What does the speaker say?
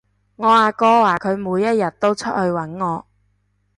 我阿哥話佢每一日都出去搵我